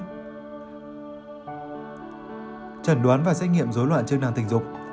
trần đoán và xét nghiệm dối loạn chức năng tình dục